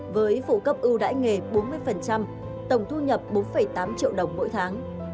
với phụ cấp ưu đãi nghề bốn mươi tổng thu nhập bốn tám triệu đồng mỗi tháng